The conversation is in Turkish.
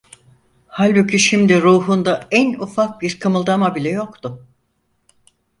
Halbuki şimdi ruhunda en ufak bir kımıldama bile yoktu.